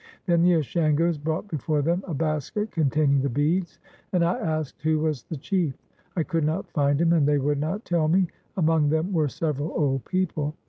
Then the Ashangos brought before them a basket containing the beads, and I asked who was the chief. I could not find him, and they would not tell me. Among them were several old people.